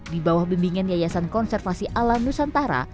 di bawah bimbingan yayasan konservasi alam nusantara